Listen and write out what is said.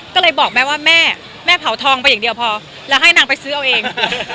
ก็เลยบอกแม่ว่าแม่แม่เผาทองไปอย่างเดียวพอแล้วให้นางไปซื้อเอาเอง